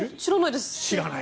知らない？